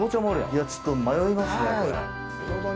いやぁ、ちょっと迷いますね、これ。